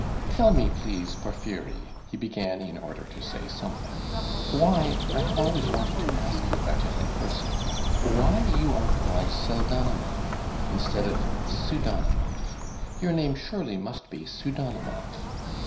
"Tell me, please, Porfiry," he began, in order to say something, "why I have always wanted to ask you about it in person why you are called Pseldonimov instead of Pseudonimov? Your name surely must be Pseudonimov."